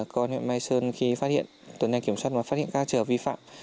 còn huyện mai sơn khi phát hiện tuần này kiểm soát và phát hiện các trở vi phạm